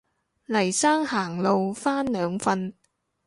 黎生行路返兩份